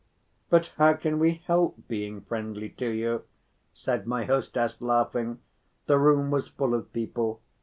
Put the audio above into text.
"But how can we help being friendly to you?" said my hostess, laughing. The room was full of people.